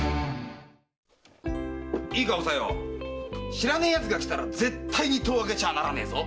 知らねえ奴が来たら絶対に戸を開けちゃならねえぞ。